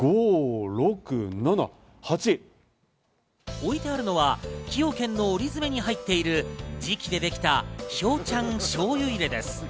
置いてあるのは崎陽軒の折り詰めに入っている、磁器でできた、ひょうちゃんしょうゆ入れです。